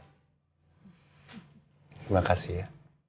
terima kasih ya